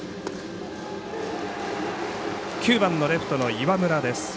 ９番のレフトの岩村です。